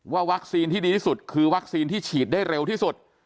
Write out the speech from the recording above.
วัคซีนที่ดีที่สุดคือวัคซีนที่ฉีดได้เร็วที่สุด